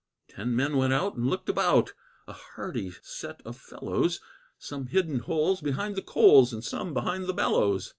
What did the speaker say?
Ten men went out and looked about A hardy set of fellows; Some hid in holes behind the coals, And some behind the bellows.